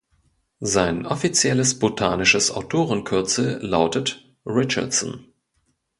Sein offizielles botanisches Autorenkürzel lautet „Richardson“.